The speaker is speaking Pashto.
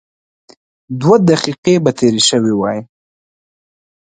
دوه دقيقې به تېرې شوې وای.